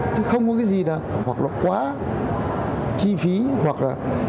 chứ không có cái gì đâu hoặc là quá chi phí hoặc là